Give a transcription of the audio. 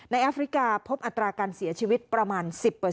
แอฟริกาพบอัตราการเสียชีวิตประมาณ๑๐